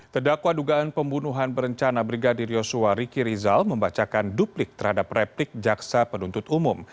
terdakwa dugaan pembunuhan berencana brigadir yosua riki rizal membacakan duplik terhadap replik jaksa penuntut umum